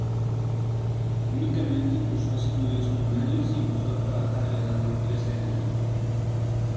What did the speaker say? Únicamente cursó estudios primarios y empezó a trabajar a la edad de trece años.